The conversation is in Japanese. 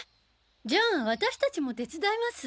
じゃあ私達も手伝います。